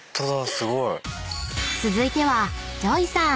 ［続いてはＪＯＹさん］